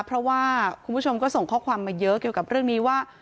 เพราะว่าคุณผู้ชมก็ส่งข้อความมาเยอะเกี่ยวกับเรื่องนี้ว่า